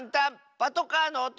パトカーのおと！